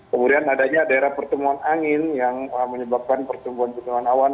kemudian adanya daerah pertemuan angin yang menyebabkan pertumbuhan pertumbuhan awan